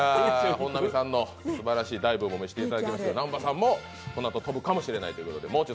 本並さんのすばらしいダイブも見せてもらいまして南波さんも跳ぶかもしれないということで。